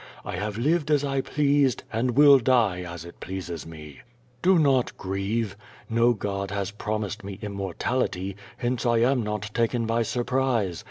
I have lived as I pleased, and will die as pleases me. Do not grieve. Xo god has promised me immortality, hence I am not taken by surprise.